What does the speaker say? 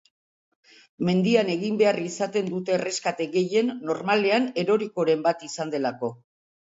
Mendian egin behar izaten dute erreskate gehien, normalean erorikoren bat izan delako.